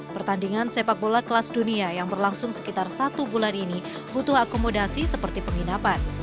pertandingan sepak bola kelas dunia yang berlangsung sekitar satu bulan ini butuh akomodasi seperti penginapan